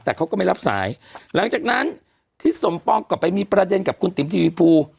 แต่เขาก็ไม่รับสายหลังจากนั้นทิศสมปองกลับไปมีประเด็นกับคุณติ๋มทีวีภู